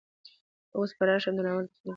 اوس به راشم د ناول تخنيکي بوخو باندې ړنا اچوم